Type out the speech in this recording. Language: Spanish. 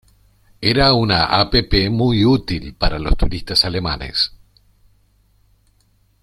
Era una app muy útil para los turistas alemanes.